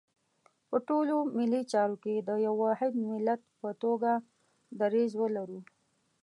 په ټولو ملي چارو کې د یو واحد ملت په توګه دریځ ولرو.